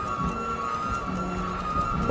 terima kasih libya